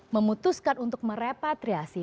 memutuskan untuk merepatriasi